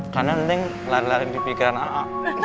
karena neng lari lari dipikiran a